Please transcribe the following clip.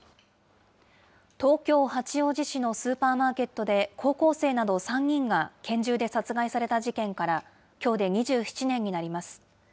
東京・八王子市のスーパーマーケットで高校生など３人が拳銃で殺害された事件から、きょうで２７年になります。